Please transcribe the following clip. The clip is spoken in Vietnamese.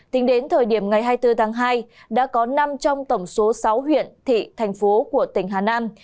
tính đến thời điểm ngày hai mươi bốn tháng hai đã có năm trong tổng số sáu huyện thị thành phố của tỉnh hà nam